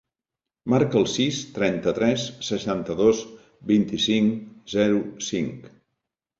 Marca el sis, trenta-tres, seixanta-dos, vint-i-cinc, zero, cinc.